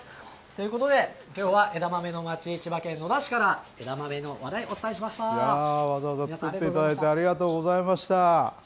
ということで、きょうは枝豆の町、千葉県野田市から枝豆の話題、おわざわざ作っていただいて、ありがとうございました。